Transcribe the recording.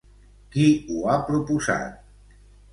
Qui ho ha proposat?